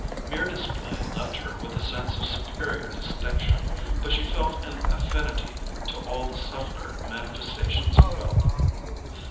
Mere display left her with a sense of superior distinction; but she felt an affinity to all the subtler manifestations of wealth.